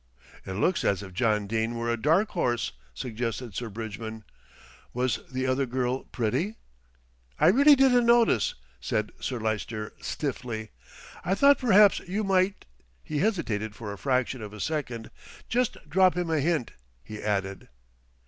"It looks as if John Dene were a dark horse," suggested Sir Bridgman. "Was the other girl pretty?" "I really didn't notice," said Sir Lyster stiffly. "I thought perhaps you might" he hesitated for a fraction of a second "just drop him a hint," he added.